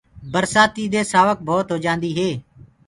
برسآتيٚ بآ سآوڪ ڀوت هوجآندي هي۔